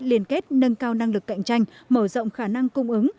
liên kết nâng cao năng lực cạnh tranh mở rộng khả năng cung ứng